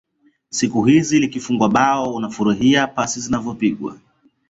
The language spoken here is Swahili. siku hizi likifungwa bao unafurahia pasi zilivyopigwa